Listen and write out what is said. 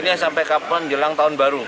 ini sampai kapan jelang tahun baru